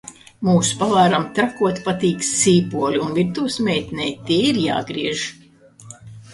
Mūsu pavāram trakoti patīk sīpoli un virtuves meitenei tie ir jāgriež.